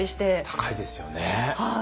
高いですよね。